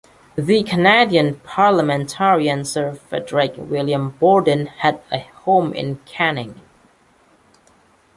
The Canadian parliamentarian Sir Frederick William Borden had a home in Canning.